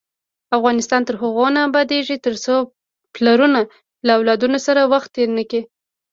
افغانستان تر هغو نه ابادیږي، ترڅو پلرونه له اولادونو سره وخت تیر نکړي.